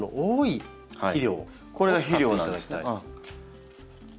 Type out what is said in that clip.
これが肥料なんですね。